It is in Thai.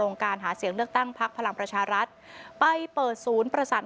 การหาเสียงเลือกตั้งพักพลังประชารัฐไปเปิดศูนย์ประสาน